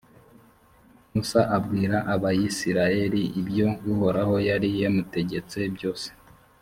musa abwira abayisraheli ibyo uhoraho yari yamutegetse byose.